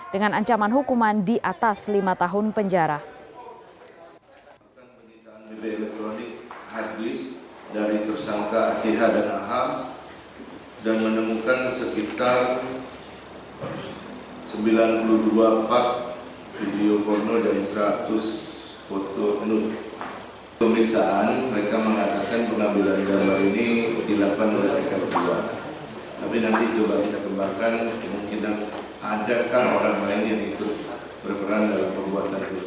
dengan ancaman hukuman di atas lima tahun penjara